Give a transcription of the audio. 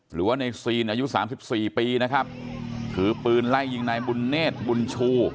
หรือว่าในซีนอายุสามสิบสี่ปีนะครับถือปืนไล่ยิงนายบุญเนธบุญชู